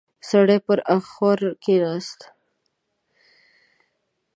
سړی پر اخور کېناست.